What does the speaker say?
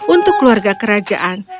untuk keluarga kerajaan